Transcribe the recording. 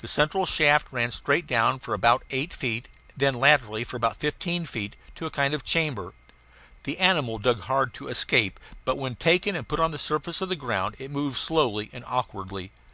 The central shaft ran straight down for about eight feet, and then laterally for about fifteen feet, to a kind of chamber. The animal dug hard to escape, but when taken and put on the surface of the ground it moved slowly and awkwardly.